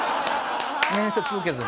面接受けずに。